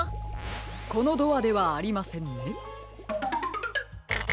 このドアではありませんね。